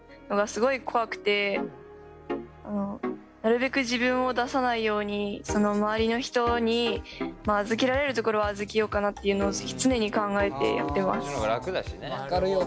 なるべく自分を出さないように周りの人に預けられるところは預けようかなっていうのを常に考えてやってます。